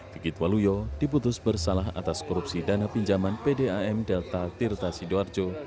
kikit waluyo diputus bersalah atas korupsi dana pinjaman pdam delta tirta sidoarjo